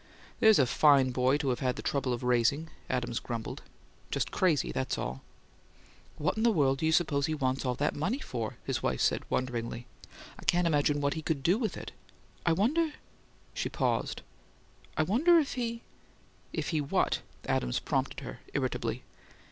"There's a fine boy to've had the trouble of raising!" Adams grumbled. "Just crazy, that's all." "What in the world do you suppose he wants all that money for?" his wife said, wonderingly. "I can't imagine what he could DO with it. I wonder " She paused. "I wonder if he " "If he what?" Adams prompted her irritably.